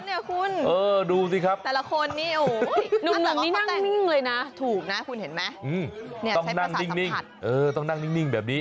สนุกสนานเนี่ยคุณเออดูสิครับ